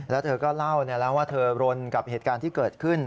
แล้วเธอก็เล่าว่าเธอรนกับเหตุการณ์ที่เกิดขึ้น